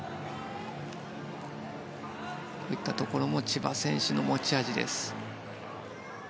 こういったところも千葉選手の持ち味です。